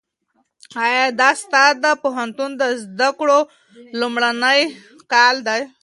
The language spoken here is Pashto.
ایا دا ستا د پوهنتون د زده کړو لومړنی کال دی؟